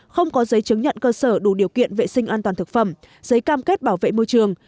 không có giấy chứng nhận cơ sở đủ điều kiện vệ sinh an toàn thực phẩm giấy cam kết bảo vệ môi trường